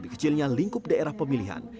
dengan lingkup daerah pemilihan